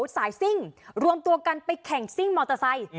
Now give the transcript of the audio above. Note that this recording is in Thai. สายซิ่งรวมตัวกันไปแข่งซิ่งมอร์โต้ไซ่